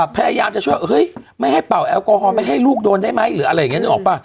พยายามจะช่วยเฮ้ยไม่ให้เป่าแอลกอฮอลไม่ให้ลูกโดนได้ไหมหรืออะไรอย่างนี้นึกออกป่ะ